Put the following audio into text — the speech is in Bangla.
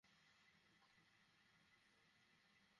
রোমীয়দের সেদিন চূড়ান্ত পরাজয় ঘটেছিল।